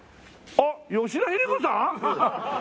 あっ吉田秀彦さん！？